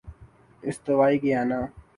استوائی Guyana